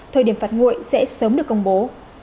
thời điểm phạt nguội sẽ sớm được công bố